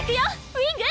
ウィング！